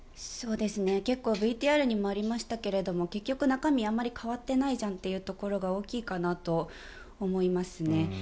ＶＴＲにもありましたが結局、中身はあまり変わってないじゃんというところが大きいかなと思いますね。